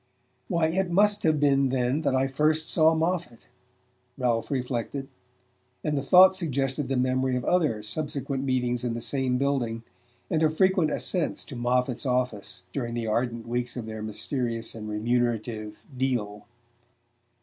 "Why, it must have been then that I first saw Moffatt," Ralph reflected; and the thought suggested the memory of other, subsequent meetings in the same building, and of frequent ascents to Moffatt's office during the ardent weeks of their mysterious and remunerative "deal."